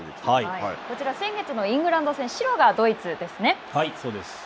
こちら、先月のイングランド戦はい、そうです。